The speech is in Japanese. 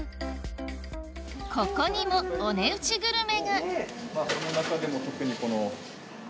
ここにもお値打ちグルメがその中でも特にこの。